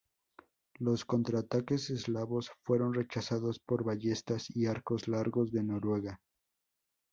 Los contraataques eslavos fueron rechazados por ballestas y arcos largos de Noruega.